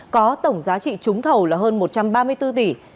có tổng giá trị trúng thầu là hơn một trăm ba mươi bốn tỷ